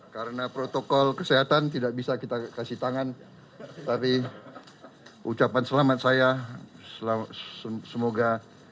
karena protokol kesehatan tidak bisa kita kasih tangan tapi ucapan selamat saya selalu semoga